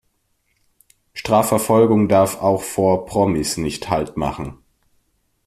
Strafverfolgung darf auch vor Promis nicht Halt machen.